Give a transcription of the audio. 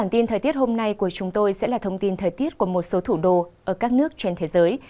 tiếp theo chương trình sẽ là thông tin thời tiết của một số thủ đô ở các nước trên thế giới